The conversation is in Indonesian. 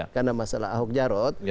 karena masalah ahok jarot